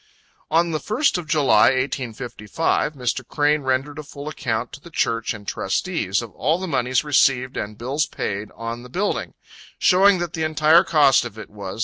On the 1st of July, 1855, Mr. Crane rendered a full account to the Church and trustees, of all the monies received and bills paid on the building; showing that the entire cost of it was